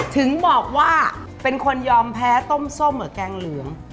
ถึงบอกว่าเป็นคนยอมแพ้ต้มส้มกับแกงเหลือง